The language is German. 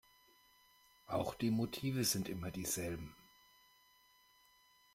Auch die Motive sind immer dieselben.